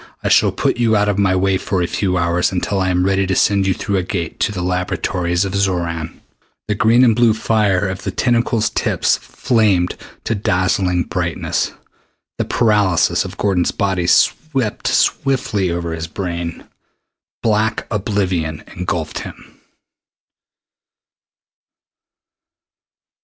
I shall put you out of my way for a few hours until I am ready to send you through the Gate to the laboratories of Xoran." The green and blue fire of the tentacle's tips flamed to dazzling brightness. The paralysis of Gordon's body swept swiftly over his brain. Black oblivion engulfed him.